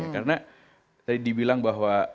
karena tadi dibilang bahwa